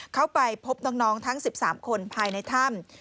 เข้าไปพบน้องทั้ง๑๓คนภายในถ้ำ